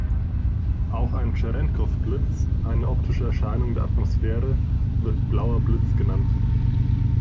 Auch ein Tscherenkow-Blitz, eine optische Erscheinung der Atmosphäre wird Blauer Blitz genannt.